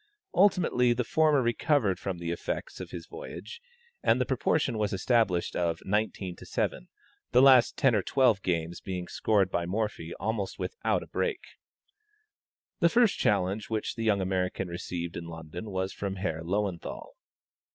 Ultimately the former recovered from the effects of his voyage, and the proportion was established of 19 to 7, the last ten or twelve games being scored by Morphy almost without a break. The first challenge which the young American received in London was from Herr Löwenthal.